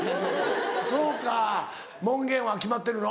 そうか門限は決まってるの？